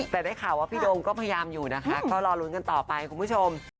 แต่ได้ข่าวว่าพี่โดมก็พยายามอยู่นะคะก็รอลุ้นกันต่อไปคุณผู้ชม